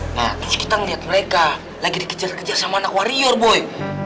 nah terus kita ngeliat mereka lagi dikejar kejar sama anak warrior boy